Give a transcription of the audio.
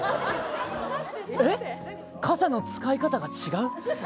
えっ、傘の使い方が違う？